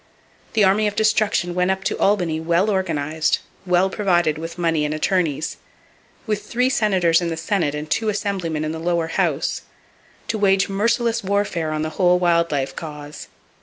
The Army of Destruction went up to Albany well organized, well provided with money and attorneys, with three senators in the Senate and two assemblymen in the lower house, to wage merciless warfare on the whole wild life cause.